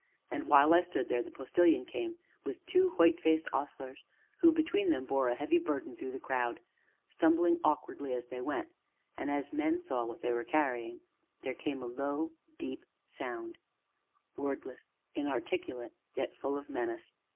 And, while I stood there, the Postilion came with two white faced ostlers, who, between them, bore a heavy burden through the crowd, stumbling awkwardly as they went; and, as men saw that which they carried, there came a low, deep sound wordless, inarticulate, yet full of menace.